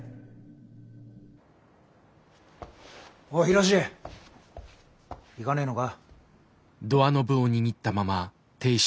おいヒロシ行かねえのか？